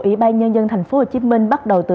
ủy ban nhân dân tp hcm bắt đầu từ